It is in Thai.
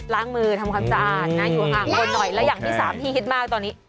ล้างมือทำความสะอาดนะอยู่ห่างคนหน่อยและอย่างที่สามที่ฮิตมากตอนนี้